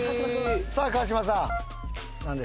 さあ川島さん